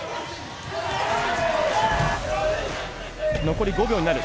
残り５秒になる。